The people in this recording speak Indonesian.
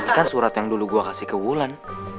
ini kan surat yang dulu gua kasih ke wulan